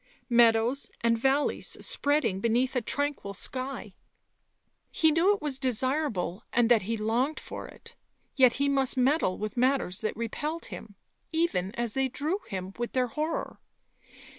Meadows and valleys spreading beneath a tranquil sky ... he knew it was desirable and that he longed for it, yet he must meddle with matters that repelled him, even as they drew him, with their horror.